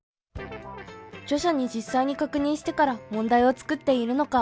著者に実際に確認してから問題を作っているのか？